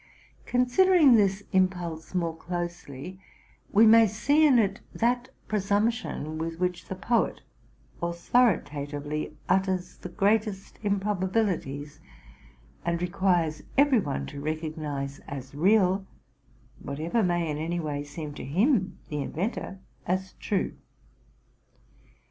Considering this impulse more closely, we may see in it that presumption with which the poet authoritatively utters the greatest improbabilities, and requires every one to recog nize as real whatever may in any way seem to him, the inventor, as true.